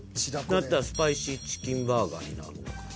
だったらスパイシーチキンバーガーになるのか。